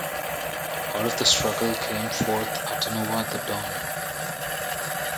Out of the struggle came forth Atanua, the dawn.